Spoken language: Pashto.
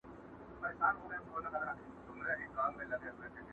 حافظه يې ژوندۍ ساتي تل،